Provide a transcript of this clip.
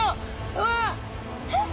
うわ！えっ？